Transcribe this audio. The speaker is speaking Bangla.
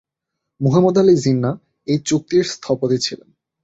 মুহাম্মদ আলি জিন্নাহ এই চুক্তির স্থপতি ছিলেন।